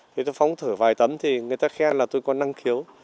khi tôi phóng thử vài tấm thì người ta khen là tôi có năng khiếu